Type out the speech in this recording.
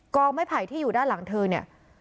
องไม้ไผ่ที่อยู่ด้านหลังเธอเนี่ย